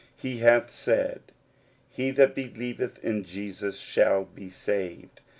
He hath said, "He that believeth in Jesus shall be saved."